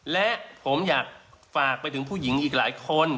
และผมอยากฝากไปถึงผู้หญิงอีกหลายคน